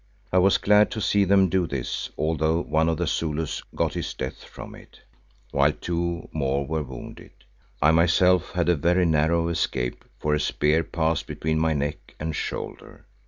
I was glad to see them do this although one of the Zulus got his death from it, while two more were wounded. I myself had a very narrow escape, for a spear passed between my neck and shoulder.